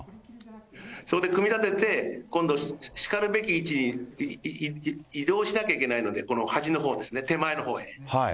そこで組み立てて、今度しかるべき位置に移動しなきゃいけないので、この端のほうですね、手前のほうへ。